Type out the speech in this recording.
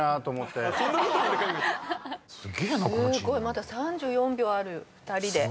まだ３４秒ある２人で。